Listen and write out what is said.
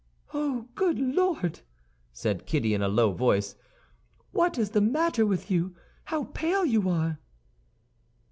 "Oh, good Lord!" said Kitty, in a low voice, "what is the matter with you? How pale you are!"